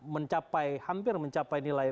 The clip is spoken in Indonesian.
mencapai hampir mencapai nilai